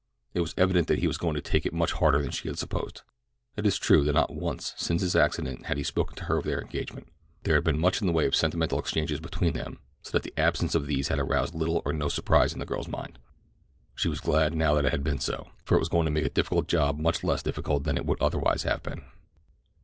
It was evident that he was going to take it much harder than she had supposed. It is true that not once since his accident had he spoken to her of their engagement. There had never been much in the way of sentimental exchanges between them, so that the absence of these had aroused little or no surprise in the girl's mind. She was glad now that it had been so, for it was going to make a difficult job much less difficult than it would otherwise have been.